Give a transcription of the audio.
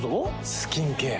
スキンケア。